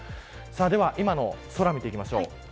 では今の空を見ていきましょう。